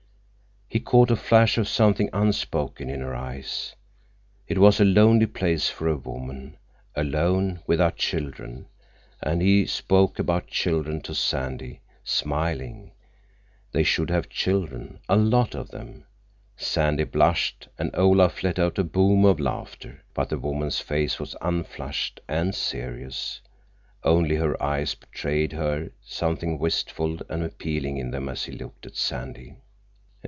He caught a flash of something unspoken in her eyes. It was a lonely place for a woman, alone, without children, and he spoke about children to Sandy, smiling. They should have children—a lot of them. Sandy blushed, and Olaf let out a boom of laughter. But the woman's face was unflushed and serious; only her eyes betrayed her, something wistful and appealing in them as she looked at Sandy.